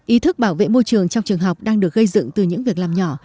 ý thức bảo vệ môi trường trong trường học đang được gây dựng từ những việc làm nhỏ